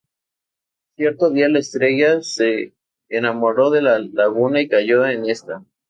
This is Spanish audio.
Cierto día la estrella se enamoró de la laguna y cayó en esta.